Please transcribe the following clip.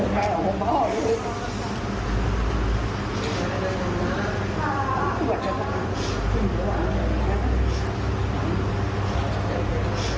อย่าแห่งลำจาไม่รวมนะครับ